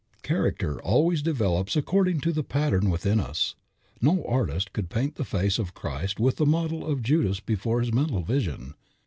Character always develops according to the pattern within us. No artist could paint the face of Christ with the model of Judas before his mental vision.